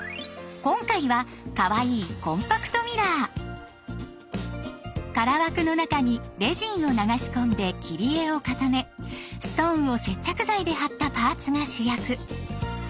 今回はかわいい空枠の中にレジンを流し込んで切り絵を固めストーンを接着剤で貼ったパーツが主役。